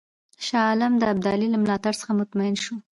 شاه عالم د ابدالي له ملاتړ څخه مطمئن شو.